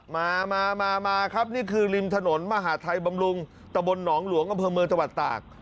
มามาครับนี่คือริมถนนมหาทัยบำรุงตะบนหนองหลวงอำเภอเมืองจังหวัดตาก